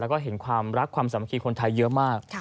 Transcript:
แล้วก็เห็นความรักความสามัคคีคนไทยเยอะมาก